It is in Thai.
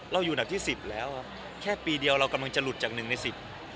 เราอยู่อันดับที่๑๐แล้วแค่ปีเดียวเรากำลังจะหลุดจาก๑ใน๑๐